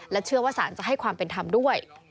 เชื่อว่าสารจะให้ความเป็นธรรมด้วย